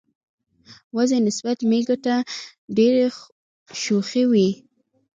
وزې نسبت مېږو ته ډیری شوخی وی.